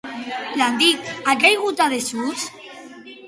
L'antic ha caigut en desús?